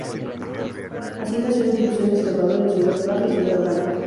Así nació la división de Salvador en Ciudad Baja y Ciudad Alta.